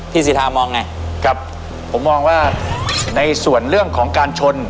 สิทธามองไงกับผมมองว่าในส่วนเรื่องของการชน